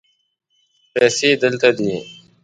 پیسې دلته دي